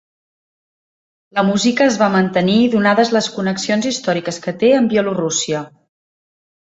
La música es va mantenir donades les connexions històriques que té amb Bielorússia.